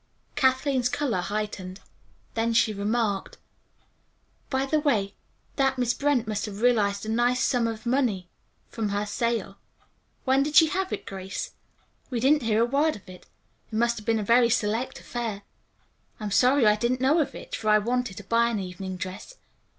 Kathleen's color heightened. Then she remarked: "By the way, that Miss Brent must have realized a nice sum of money from her sale. When did she have it, Grace? We didn't hear a word of it. It must have been a very select affair. I'm sorry I didn't know of it, for I wanted to buy an evening dress.